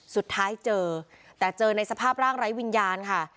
สุดท้ายเจอแต่เจอในสภาพร่างไร้วิญญาณค่ะ